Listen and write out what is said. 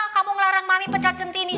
kamu ngelarang mamih pecat centini